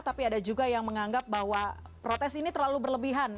tapi ada juga yang menganggap bahwa protes ini terlalu berlebihan